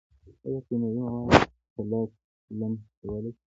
ایا کیمیاوي مواد په لاس لمس کولی شو.